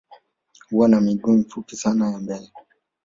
Huwa na miguu mifupi sana ya mbele